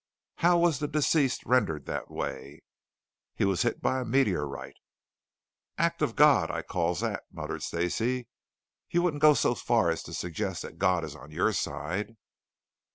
"How was the deceased rendered that way?" "He was hit by a meteorite." "Act of God, I calls that," muttered Stacey. "You wouldn't go so far as to suggest that God is on your side?"